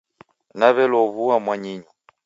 Naw'elow'ua mwanyinyu.